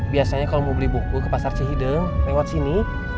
biasanya kalau mau beli buku ke pasar cihideng lewat sini